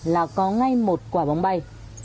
là có ngay một quả bong bay